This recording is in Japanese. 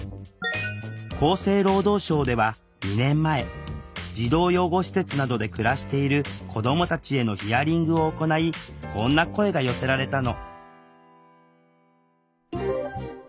厚生労働省では２年前児童養護施設などで暮らしている子どもたちへのヒアリングを行いこんな声が寄せられたの。